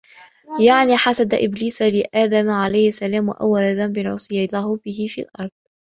يَعْنِي حَسَدَ إبْلِيسَ لِآدَمَ عَلَيْهِ السَّلَامُ وَأَوَّلُ ذَنْبٍ عُصِيَ اللَّهُ بِهِ فِي الْأَرْضِ